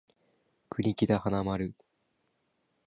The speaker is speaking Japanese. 国木田花丸